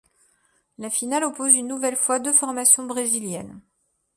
La finale oppose une nouvelle fois deux formations brésiliennes.